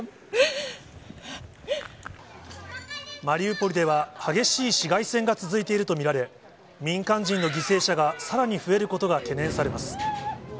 マリウポリでは激しい市街戦が続いていると見られ、民間人の犠牲者がさらに増えることが懸念されます。